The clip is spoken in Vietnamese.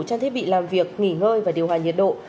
trang thiết bị làm việc nghỉ ngơi và điều hòa nhiệt độ